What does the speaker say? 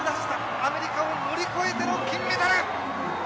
アメリカを乗り越えての金メダル！